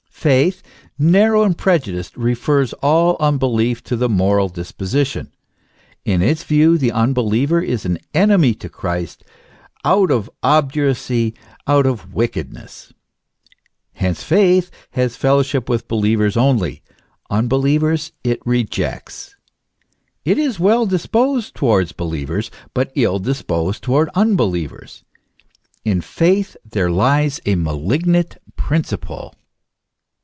Faith, narrow and prejudiced, refers all unbelief to the moral disposi tion. In its view the unbeliever is an enemy to Christ out of obduracy, out of wickedness. f Hence faith has fellowship with believers only; unbelievers it rejects. It is well disposed towards believers, but ill disposed towards unbelievers. In faith there lies a malignant principle.